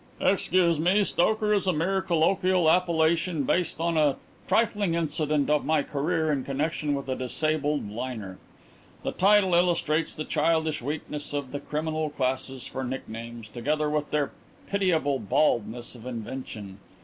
"Excuse me. 'Stoker' is a mere colloquial appellation based on a trifling incident of my career in connection with a disabled liner. The title illustrates the childish weakness of the criminal classes for nicknames, together with their pitiable baldness of invention.